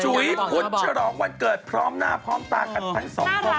จุ๋ยพุทธฉลองวันเกิดพร้อมหน้าพร้อมตากันทั้งสองคน